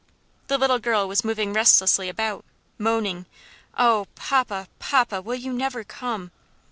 The little girl was moving restlessly about, moaning, "Oh! papa, papa, will you never come?"